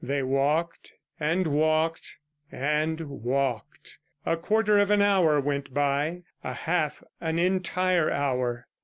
They walked ... and walked ... and walked. A quarter of an hour went by, a half, an entire hour.